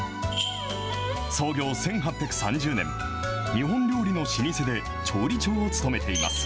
創業１８３０年、日本料理の老舗で調理長を務めています。